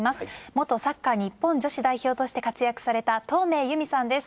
元サッカー日本女子代表として活躍された東明有美さんです